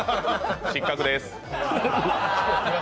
失格です。